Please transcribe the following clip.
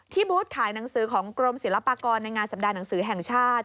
บูธขายหนังสือของกรมศิลปากรในงานสัปดาห์หนังสือแห่งชาติ